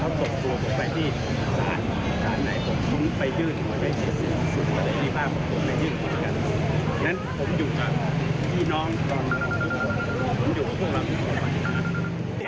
ไปที่